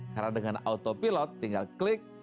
karena dengan autopilot tinggal klik